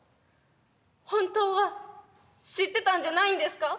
本当は知ってたんじゃないんですか？